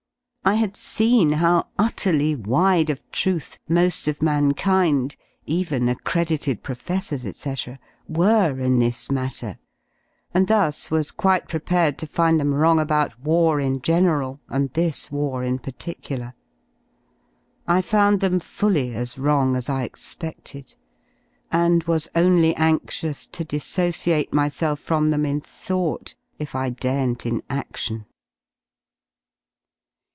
I had ^/ seen how utterly wide of Truth mo^ of mankind — even §■ accredited professors, ^c. — were in this matter, and thus ^ was quite prepared to find them wrong about war in general ^ Pand this war in particular. I found them fully as wrong as j I expeded, and was only anxious to dissociate myself from I them in though t^ if I daren't inL^ftion.